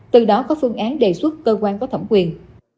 từ đó có phương án đề xuất cơ quan có thẩm quyền